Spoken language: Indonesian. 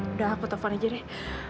udah aku telepon aja deh